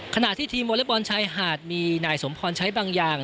ขณะที่ทีมวอเล็กบอลชายหาดมีนายสมพรใช้บางอย่าง